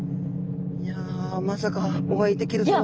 いやまさかお会いできるとは。